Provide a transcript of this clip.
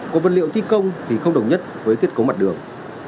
còn vật liệu thi công thì không đồng nhất với thiết cấu mặt đường